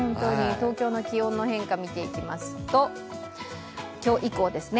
東京の気温の変化、見ていきますと今日以降ですね。